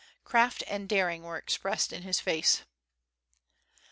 Craft and daring were expressed in his face.